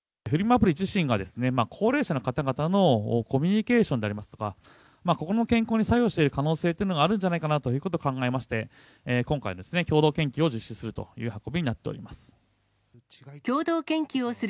アプリ自身が、高齢者の方々のコミュニケーションでありますとか、心の健康に作用している可能性というのがあるんじゃないかなということを考えまして、今回、共同研究を実施するという運びになっております。